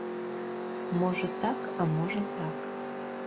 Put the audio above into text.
Можа так, а можа так.